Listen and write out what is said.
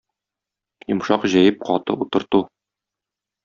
Йомшак җәеп каты утырту.